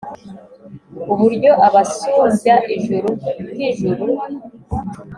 uburyo abasumbya ijuru nk’ijuru